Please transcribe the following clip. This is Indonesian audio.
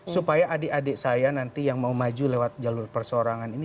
supaya adik adik saya nanti yang mau maju lewat jalur persorangan ini